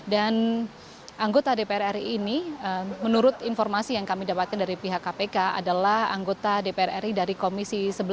dan anggota dpr ri ini menurut informasi yang kami dapatkan dari pihak kpk adalah anggota dpr ri dari komisi sebelas